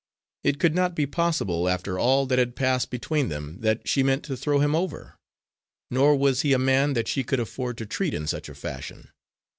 It could not be possible, after all that had passed between them, that she meant to throw him over, nor was he a man that she could afford to treat in such a fashion.